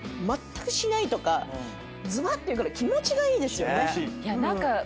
まったくしないとかずばっと言うから気持ちがいいですよね。